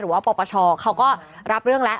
ว่าปปชเขาก็รับเรื่องแล้ว